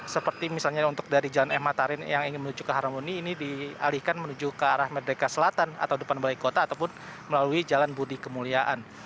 seperti misalnya untuk dari jalan m matarin yang ingin menuju ke haramoni ini dialihkan menuju ke arah merdeka selatan atau depan balai kota ataupun melalui jalan budi kemuliaan